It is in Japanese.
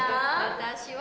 私は。